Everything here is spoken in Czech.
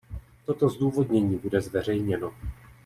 Toto zdůvodnění bude zveřejněno.